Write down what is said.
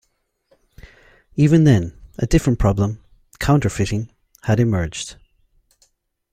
Even then, a different problem-counterfeiting-had emerged.